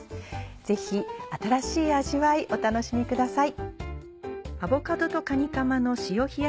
ぜひ新しい味わいお楽しみください。